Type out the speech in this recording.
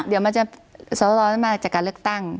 เดี๋ยวมันจะสรไม่มาจากการเลือกตั้ง